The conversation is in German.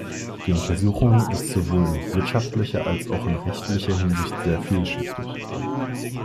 Die Untersuchung ist sowohl in wirtschaftlicher als auch in rechtlicher Hinsicht sehr vielschichtig.